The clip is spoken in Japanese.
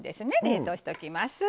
冷凍しときます。